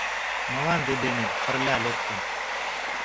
Мланде дене пырля лектын...